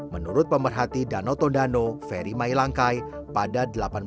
menurut pemerhati danau tondano ferry mailangkai pada dua ribu delapan belas